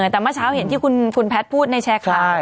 แต่มาเช้าเห็นที่คุณฟุนแพทพูดในแชร์คล้าว